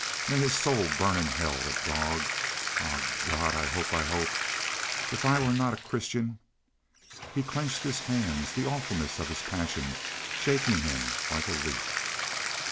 May his soul burn in hell—the dog! Ah, God, I hope—I hope—If I were not a Christian—" He clenched his hands, the awfulness of his passion shaking him like a leaf.